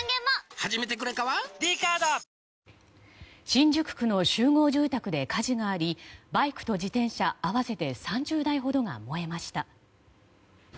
新宿区の集合住宅で火事がありバイクと自転車合わせて３０台ほどが燃えました。